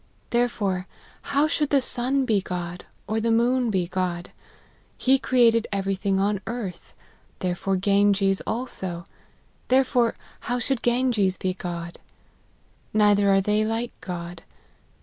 Therefore how should the sun be God, or the moon be fcod ? He created every thing on earth ; therefore Ganges also : there fore how should Ganges be God ? Neither are they like God.